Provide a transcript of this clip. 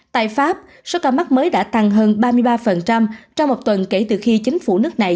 tại pháp số ca mắc mới đã tăng hơn ba mươi ba trong một tuần kể từ khi chính phủ nước này